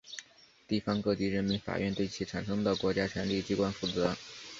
地方各级人民法院对产生它的国家权力机关负责。